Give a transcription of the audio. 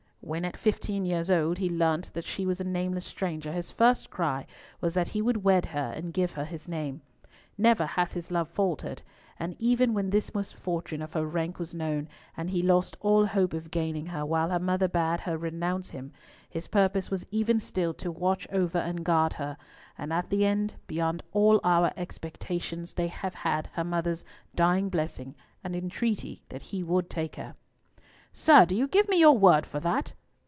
When, at fifteen years old, he learnt that she was a nameless stranger, his first cry was that he would wed her and give her his name. Never hath his love faltered; and even when this misfortune of her rank was known, and he lost all hope of gaining her, while her mother bade her renounce him, his purpose was even still to watch over and guard her; and at the end, beyond all our expectations, they have had her mother's dying blessing and entreaty that he would take her." "Sir, do you give me your word for that?"